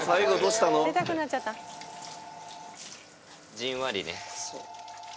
じんわりね。